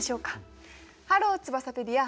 ハローツバサペディア。